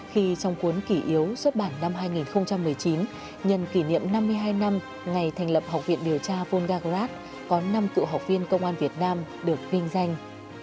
khi trong cuốn kỷ yếu xuất bản năm hai nghìn một mươi chín nhận kỷ niệm năm mươi hai năm ngày thành lập học viện điều tra volga grat có năm cựu học viên công an việt nam được vinh danh